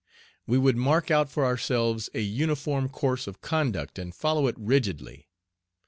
We would mark out for ourselves a uniform course of conduct and follow it rigidly.